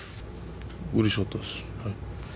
うれしかったです。